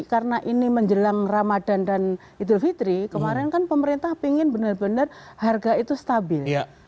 karena ini menjelang ramadhan dan idul fitri kemarin kan pemerintah ingin benar benar harga itu stabil